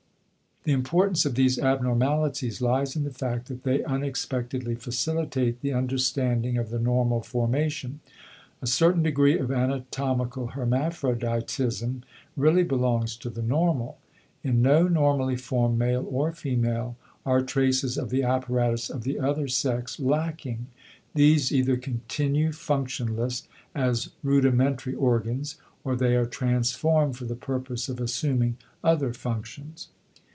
The importance of these abnormalities lies in the fact that they unexpectedly facilitate the understanding of the normal formation. A certain degree of anatomical hermaphroditism really belongs to the normal. In no normally formed male or female are traces of the apparatus of the other sex lacking; these either continue functionless as rudimentary organs, or they are transformed for the purpose of assuming other functions.